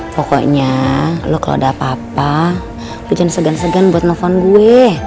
pokoknya lo kalau ada apa apa bikin segan segan buat nelfon gue